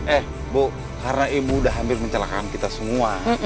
eh bu karena ibu udah hampir mencelakakan kita semua